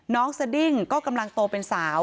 สดิ้งก็กำลังโตเป็นสาว